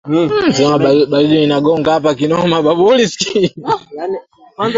Watoto waliogopa angeweza kuwaua pia Hapo Lifumika aliamua kukimbia asubuhi ya tarehe kumi na